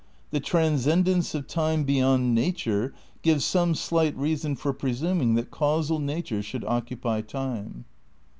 ... "The transcendence of time beyond nature gives some slight rea son for presuming that causal nature should occupy time."